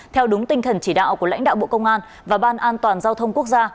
theo đúng tinh thần chỉ đạo của lãnh đạo bộ công an và ban an toàn giao thông quốc gia